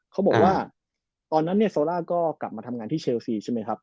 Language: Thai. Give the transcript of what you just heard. เขาบอกว่าตอนนั้นเนี่ยโซล่าก็กลับมาทำงานที่เชลซีใช่ไหมครับ